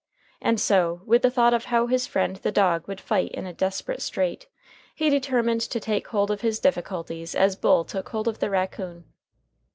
And so, with the thought of how his friend the dog would fight in a desperate strait, he determined to take hold of his difficulties as Bull took hold of the raccoon.